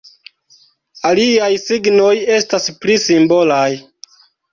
Aliaj signoj estas pli simbolaj.